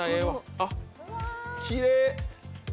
あっ、きれい！